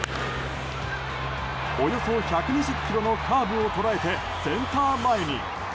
およそ１２０キロのカーブを捉えて、センター前に。